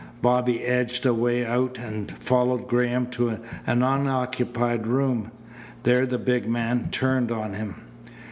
Bobby edged a way out and followed Graham to an unoccupied room. There the big man turned on him.